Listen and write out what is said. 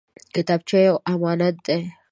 کتابچه یو امانت دی